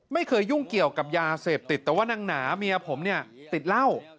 ไม่เคยยุ่งเกี่ยวกับยาเสพติดแต่ว่านางหนาเมียผมเนี่ยติดเหล้า